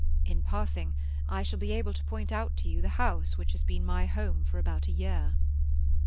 "In passing, I shall be able to point out to you the house which has been my home for about a year."